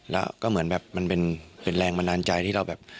แล้วก็เหมือนแบบมันเป็นแรงบันดาลใจที่เราแบบ